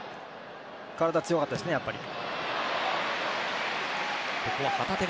体は強かったですね、やっぱり。